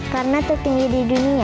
karena tertinggi di dunia